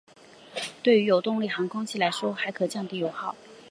对于有动力航空器来说还可降低油耗。